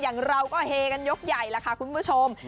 อย่างเราก็เฮกันยกใหญ่แล้วค่ะคุณผู้ชม